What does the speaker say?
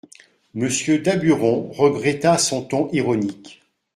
Monsieur Daburon regretta son ton ironique.